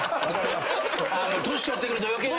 年取ってくると余計な。